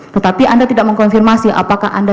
tetapi anda tidak mengkonfirmasi apakah anda